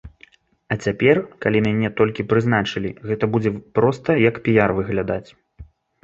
А цяпер, калі мяне толькі прызначылі, гэта будзе проста як піяр выглядаць.